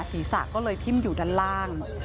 ศีรษะก็เลยทิ้มอยู่ด้านล่าง